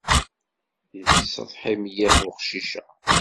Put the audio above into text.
Yettsetḥi mliḥ weqcic-a.